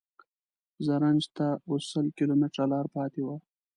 زرنج ته اوس سل کیلومتره لاره پاتې وه.